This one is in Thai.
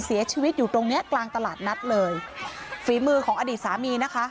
เสียชีวิตอยู่ตรงเนี้ยกลางตลาดนัดเลยฝีมือของอดีตสามีนะคะ